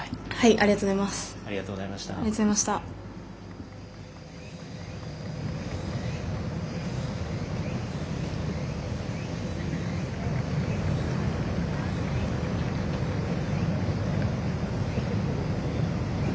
ありがとうございます。